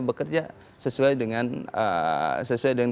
bekerja sesuai dengan